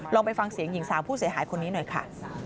ไปฟังเสียงหญิงสาวผู้เสียหายคนนี้หน่อยค่ะ